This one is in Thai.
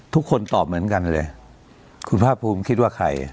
ทุกคนตอบเหมือนกันเลยคุณภาคภูมิคิดว่าใคร